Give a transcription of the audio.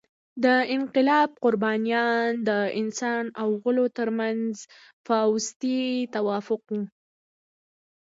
د انقلاب قربانیان د انسان او غلو تر منځ فاوستي توافق وو.